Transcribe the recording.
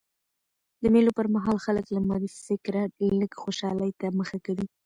د مېلو پر مهال خلک له مادي فکره لږ خوشحالۍ ته مخه کوي.